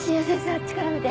あっちから見て。